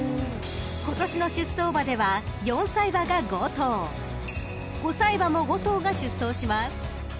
［今年の出走馬では４歳馬が５頭５歳馬も５頭が出走します］